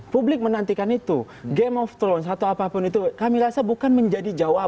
publik menantikan itu game of thrones atau apapun itu kami rasa bukan menjadi jawaban